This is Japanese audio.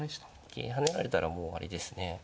桂跳ねられたらもう終わりですね。